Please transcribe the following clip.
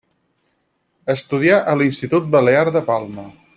Estudià a l'Institut Balear de Palma.